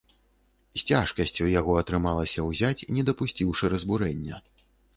З цяжкасцю яго атрымалася ўзяць, не дапусціўшы разбурэння.